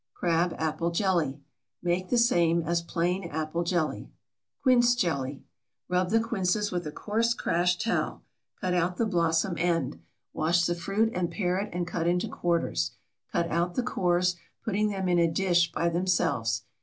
CRAB APPLE JELLY. Make the same as plain apple jelly. QUINCE JELLY. Rub the quinces with a coarse crash towel; cut out the blossom end. Wash the fruit and pare it and cut in quarters. Cut out the cores, putting them in a dish by themselves.